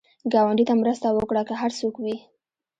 ګاونډي ته مرسته وکړه، که هر څوک وي